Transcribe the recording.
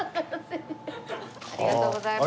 ありがとうございます。